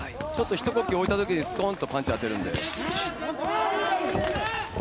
ひと呼吸おいたときにスコンとパンチ当てるんで。